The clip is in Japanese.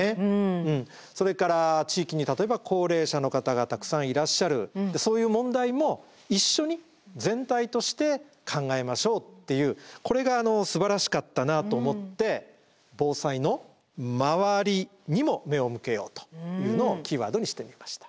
それから地域に例えば高齢者の方がたくさんいらっしゃるそういう問題も一緒に全体として考えましょうっていうこれがすばらしかったなと思って「防災の周りにも目を向けよう！」というのをキーワードにしてみました。